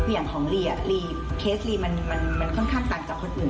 อย่างของลีเคสลีมันค่อนข้างต่างจากคนอื่น